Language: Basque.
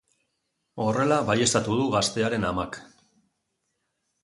Horrela baieztatu du gaztearen amak.